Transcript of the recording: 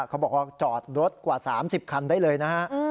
เขาบอกว่าจอดรถกว่า๓๐คันได้เลยนะฮะ